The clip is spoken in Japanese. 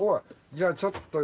じゃあちょっとよげん。